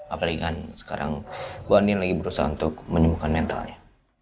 apalagi kan sekarang bu ani lagi berusaha untuk menyembuhkan mentalnya